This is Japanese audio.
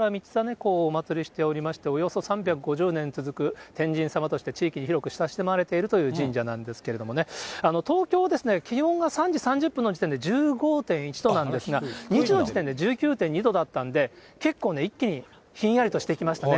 公をお祭りしておりまして、およそ３５０年続く天神様として、地域に広く親しまれているという神社なんですけれどもね、東京、気温が３時３０分の時点で１５．１度なんですが、２時の時点で１９．２度だったんで、結構一気にひんやりとしてきましたね。